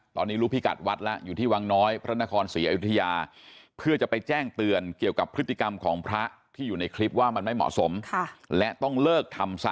ตอนนี้รู้พิกัดวัดแล้วอยู่ที่วังน้อยพระนครศรีอยุธยาเพื่อจะไปแจ้งเตือนเกี่ยวกับพฤติกรรมของพระที่อยู่ในคลิปว่ามันไม่เหมาะสมและต้องเลิกทำซะ